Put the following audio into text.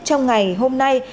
trong ngày hôm nay